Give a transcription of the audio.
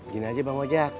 gini aja bang ojak